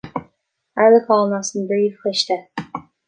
Airleacain as an bPríomh-Chiste.